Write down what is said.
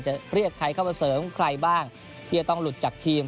เรียกใครเข้ามาเสริมใครบ้างที่จะต้องหลุดจากทีม